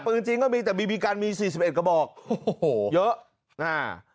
ปืนจริงก็มีแต่บิบิกันมี๔๑กระบอกเยอะ